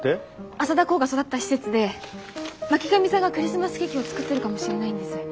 浅田航が育った施設で巻上さんがクリスマスケーキを作ってるかもしれないんです。